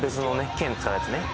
剣使うやつね